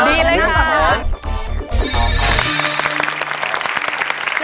ดีเลยค่ะ